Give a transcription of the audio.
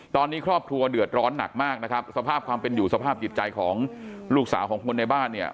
ตอนนี้ครอบครัวเดือดร้อนหนักมากนะครับสภาพความเป็นอยู่สภาพจิตใจของลูกสาวของคนในบ้านเนี่ย